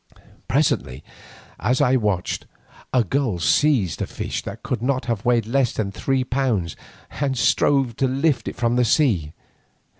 Presently, as I watched, a gull seized a fish that could not have weighed less than three pounds, and strove to lift it from the sea.